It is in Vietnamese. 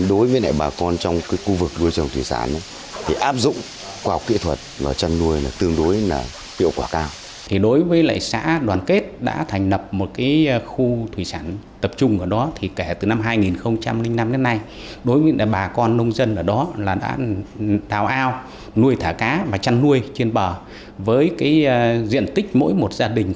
đối với bà con nông dân ở đó đã đào ao nuôi thả cá và trăn nuôi trên bờ với diện tích mỗi một gia đình